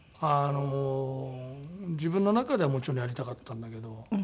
自分の中ではもちろんやりたかったんだけど。